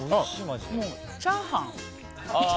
チャーハン。